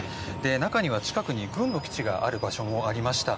中には近くに軍の基地がある場所もありました。